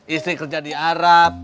istri kerja di arab